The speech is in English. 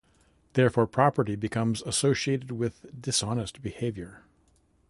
Therefore, property becomes associated with dishonest behaviour.